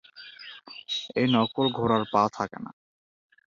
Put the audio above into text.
এই নকল ঘোড়ার পা থাকেনা।